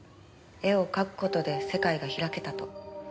絵を描く事で世界が開けたと。